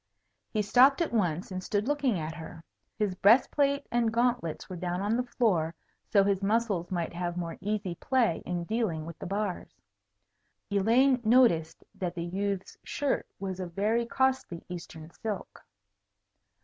He stopped at once, and stood looking at her. His breast plate and gauntlets were down on the floor, so his muscles might have more easy play in dealing with the bars. Elaine noticed that the youth's shirt was of very costly Eastern silk.